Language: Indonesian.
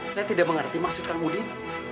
saya tidak mengerti maksud kang mudin